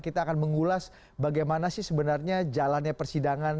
kita akan mengulas bagaimana sih sebenarnya jalannya persidangan